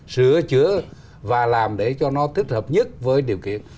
sửa chữa và làm để cho nó tích hợp nhất với điều kiện